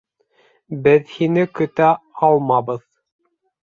— Беҙ һине көтә алмабыҙ.